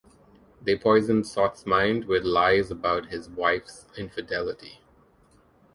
They poisoned Soth's mind with lies about his wife's infidelity.